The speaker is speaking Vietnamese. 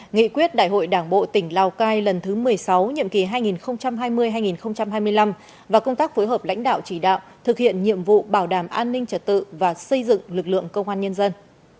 nghị quyết đại hội đảng bộ tỉnh lào cai lần thứ một mươi sáu nhiệm kỳ hai nghìn hai mươi hai nghìn hai mươi năm và công tác phối hợp lãnh đạo chỉ đạo thực hiện nhiệm vụ bảo đảm an ninh trật tự và xây dựng lực lượng công an nhân dân